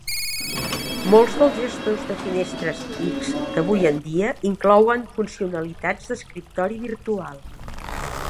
Molts dels gestors de finestres X d'avui en dia inclouen funcionalitats d'escriptori virtual.